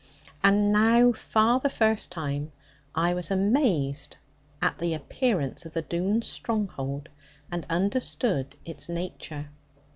And now for the first time I was amazed at the appearance of the Doones's stronghold, and understood its nature.